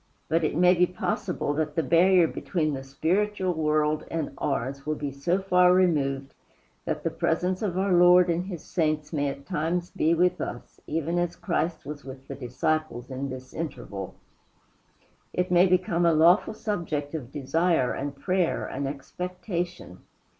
But it may be possible that the barrier between the spiritual world and ours will be so far removed that the presence of our Lord and his saints may at times be with us, even as Christ was with the disciples in this interval. It may become a lawful subject of desire and prayer and expectation.